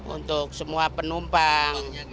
untuk semua penumpang